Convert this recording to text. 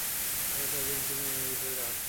তাই এত আগে এখানে মসজিদ নির্মাণের বিষয়টি আশ্চর্যজনক।